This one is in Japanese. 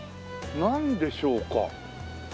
なんでしょうか？